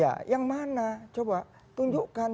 ya yang mana coba tunjukkan